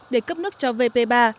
để cấp nước cho vp ba